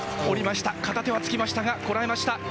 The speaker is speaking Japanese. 降りました、片手はつきましたが、こらえました。